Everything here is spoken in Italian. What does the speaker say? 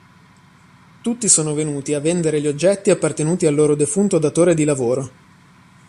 Tutti sono venuti a vendere gli oggetti appartenuti al loro defunto datore di lavoro.